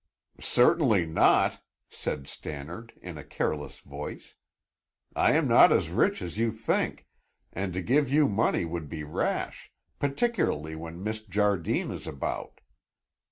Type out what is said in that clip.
"Certainly not," said Stannard in a careless voice. "I am not as rich as you think, and to give you money would be rash, particularly when Miss Jardine is about."